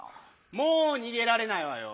もうにげられないわよ。